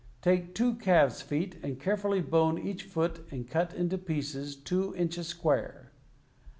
Take two calf's feet and carefully bone each foot and cut into pieces two inches square.